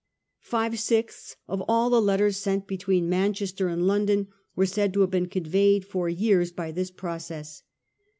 Five sixths of all the letters sent between Manchester, and London were said to have been conveyed for years by this process.